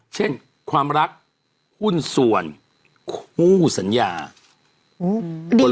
เช่นความรักหุ้นส่วนคู่สัญญา